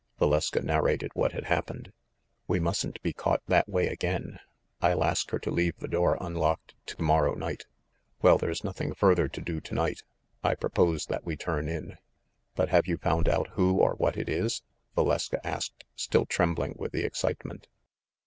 Valeska narrated what had happened. "We mustn't be caught that way again. I'll ask her to leave the door unlocked to morrow night. Well, there's nothing further to do to night. I propose that we turn in." "But have you found out who or what it is ?" Vales ka asked, still trembling with the excitement.